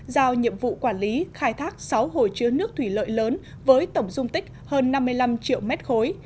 giao nhiệm vụ quản lý khai thác sáu hồ chứa nước thủy lợi lớn với tổng dung tích hơn năm mươi năm triệu mét khối